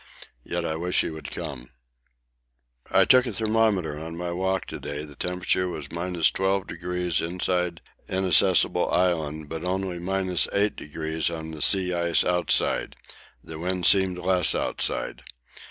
Yet I wish he would come. I took a thermometer on my walk to day; the temperature was 12° inside Inaccessible Island, but only 8° on the sea ice outside the wind seemed less outside.